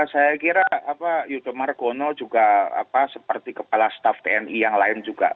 saya kira yudho margono juga seperti kepala staff tni yang lain juga